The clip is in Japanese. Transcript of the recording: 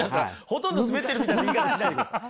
ほとんどスベってるみたいな言い方しないでください。